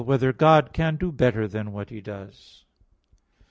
6] Whether God Can Do Better Than What He Does?